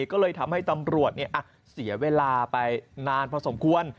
ก็เลยทำให้ตำรวจเสียเวลาไปนานพอสมควร